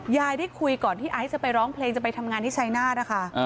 ยายได้คุยก่อนที่ไอซ์จะไปร้องเพลงจะไปทำงานที่ชายนาฏนะคะ